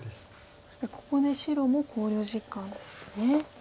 そしてここで白も考慮時間ですね。